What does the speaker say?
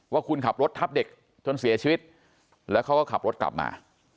ว่าคุณขับรถทับเด็กจนเสียชีวิตแล้วเขาก็ขับรถกลับมา